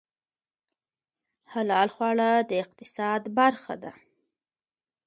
حلال خواړه د اقتصاد برخه ده